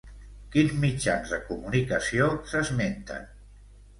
Quins mitjans de comunicació s'esmenten?